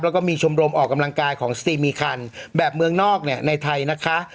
แล้วก็มีชมรมออกกำลังกายของสตรีมีคันแบบเมืองนอกเนี่ยในไทยนะคะ